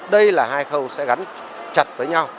đây là hai khâu sẽ gắn chặt với nhau